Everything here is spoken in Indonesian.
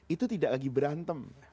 itu tidak lagi berantem